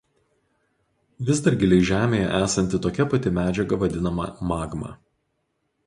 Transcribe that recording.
Vis dar giliai žemėje esanti tokia pati medžiaga vadinama magma.